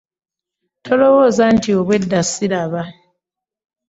Tolowooza nti obwedda ssiraba.